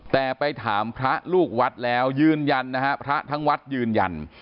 แต่ไปถามพระลูกวัดแล้วยืนยันนะฮะพระทั้งวัดยืนยัน